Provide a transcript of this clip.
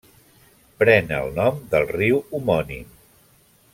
Pren el nom del riu homònim.